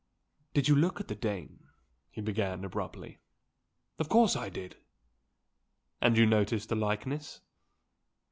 "Did you look at the Dane?" he began abruptly. "Of course I did!" "And you noticed the likeness?"